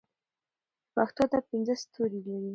د پښتو ادب پنځه ستوري لري.